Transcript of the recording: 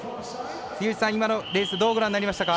杉内さん、今のレースどう、ご覧になりましたか？